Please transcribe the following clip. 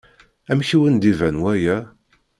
Amek i wen-d-iban waya?